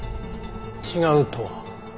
違うとは？